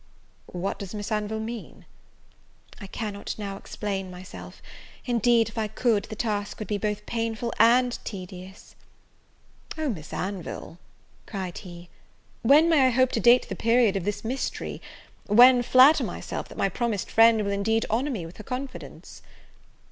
"What does Miss Anville mean?" "I cannot now explain myself; indeed, if I could, the task would be both painful and tedious." "O, Miss Anville," cried he, "when may I hope to date the period of this mystery? when flatter myself that my promised friend will indeed honour me with her confidence?"